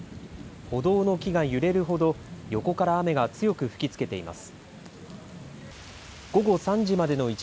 歩道の木が揺れるほど横から雨が強く吹きつけています。